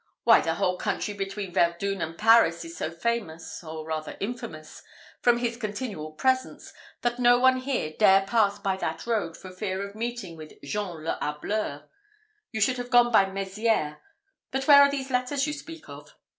Why, the whole country between Verdun and Paris is so famous, or rather infamous, from his continual presence, that no one here dare pass by that road for fear of meeting with Jean le Hableur. You should have gone by Mezières: but where are these letters you speak of?"